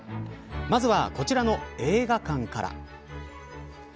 まずは、こちらの映画館から。